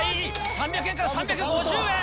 ３００円から３５０円。